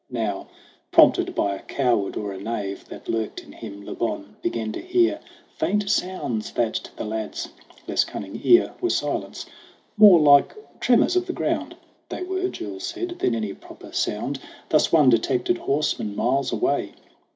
Now prompted by a coward or a knave That lurked in him, Le Bon began to hear Faint sounds that to the lad's less cunning ear Were silence; more like tremors of the ground They were, Jules said, than any proper sound Thus one detected horsemen miles away.